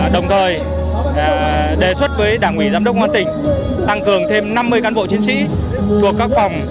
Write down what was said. đồng thời đề xuất với đảng ủy giám đốc ngoan tỉnh tăng cường thêm năm mươi cán bộ chiến sĩ thuộc các phòng